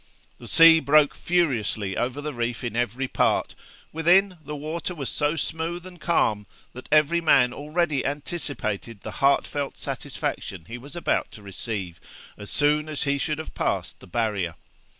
The sea broke furiously over the reef in every part; within, the water was so smooth and calm, that every man already anticipated the heartfelt satisfaction he was about to receive, as soon as he should have passed the barrier.